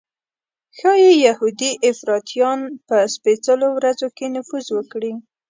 ښایي یهودي افراطیان په سپېڅلو ورځو کې نفوذ وکړي.